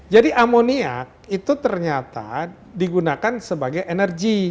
jadi amoniak itu ternyata digunakan sebagai energy